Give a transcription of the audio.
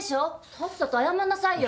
さっさと謝んなさいよ。